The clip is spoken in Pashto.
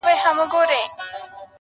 حافظه يې ژوندۍ ساتي تل تل-